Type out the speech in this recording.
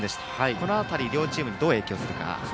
この辺り、両チームにどう影響するか。